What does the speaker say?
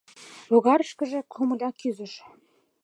Логарышкыже комыля кӱзыш.